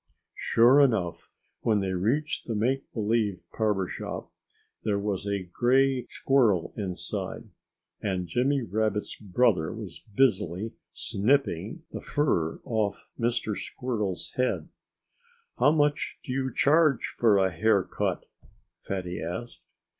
Sure enough! When they reached the make believe barber shop there was a gray squirrel inside, and Jimmy Rabbit's brother was busily snipping the fur off Mr. Squirrel's head. "How much do you charge for a hair cut?" Fatty asked.